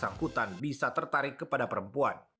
bersangkutan bisa tertarik kepada perempuan